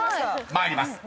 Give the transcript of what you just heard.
［参ります。